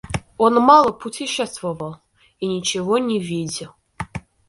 Он мало путешествовал и ничего не видел.